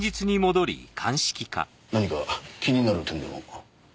何か気になる点でも？